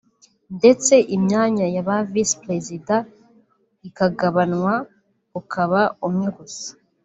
ndetse imyanya ya ba Visi Perezida ikagabanywa ukaba umwe gusa